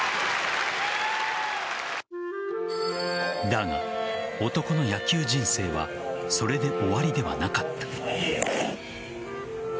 だが、男の野球人生はそれで終わりではなかった。